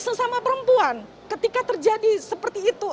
saya harus bersama perempuan ketika terjadi seperti itu